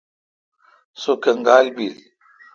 سو کنگال بیل۔